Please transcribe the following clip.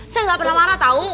saya gak pernah marah tau